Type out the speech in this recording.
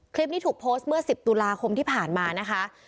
คลิปนี้ถูกโพสต์เมื่อ๑๐ตุลาคมที่ผ่านมานะคะ